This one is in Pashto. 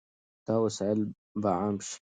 دا وسایل به عام شي.